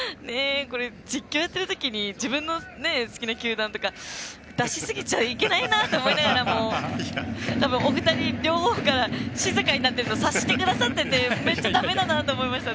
実況やってるときに自分の好きな球団とか出しすぎちゃいけないなって思いながらお二人、両方が静かになってるの察してくださっててめっちゃ、だめだなと思いました。